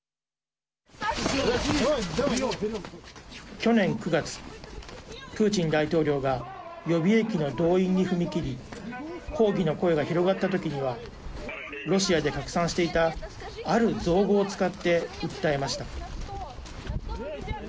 去年９月プーチン大統領が予備役の動員に踏み切り抗議の声が広がった時にはロシアで拡散していたある造語を使って訴えました。